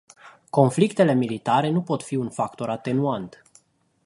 Conflictele militare nu pot fi un factor atenuant.